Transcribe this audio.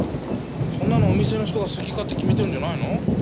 そんなのお店の人が好き勝手決めてるんじゃないの？